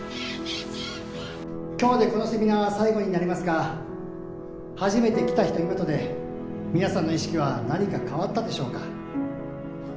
今日でこのセミナーは最後になりますが初めて来た日と今とで皆さんの意識は何か変わったでしょうか？